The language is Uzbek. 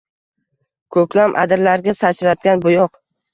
Koʻklam adirlarga sachratgan boʻyoq